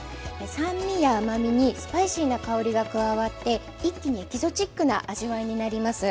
酸味や甘みにスパイシーな香りが加わって一気にエキゾチックな味わいになります。